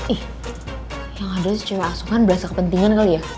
ih yang ada si cewek asongan berasal kepentingan kali ya